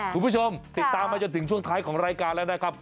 คุณผู้ชมติดตามมาจนถึงช่วงท้ายของรายการแล้วนะครับ